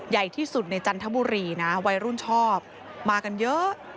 ใหญ่ที่สุดในจันทบุรีนะวัยรุ่นชอบมากันเยอะ